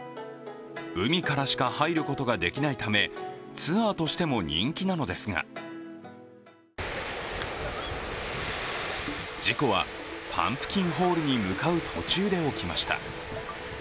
海からしか入ることができないためツアーとしても人気なのですが事故は、パンプキンホールに向かう途中で起きました。